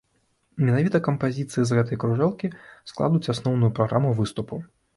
Менавіта кампазіцыі з гэтай кружэлкі складуць асноўную праграму выступу.